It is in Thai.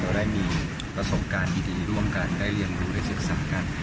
ได้มีประสบการณ์ดีร่วมกันได้เรียนรู้ได้ศึกษากัน